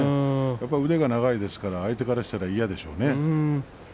やっぱり腕が長いですから相手からしたら嫌でしょうね。